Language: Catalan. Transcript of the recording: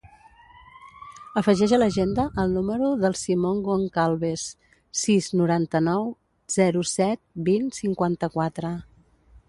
Afegeix a l'agenda el número del Simon Goncalves: sis, noranta-nou, zero, set, vint, cinquanta-quatre.